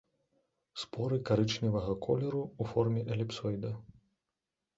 Споры карычневага колеру, у форме эліпсоіда.